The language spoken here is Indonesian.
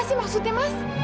apa sih maksudnya mas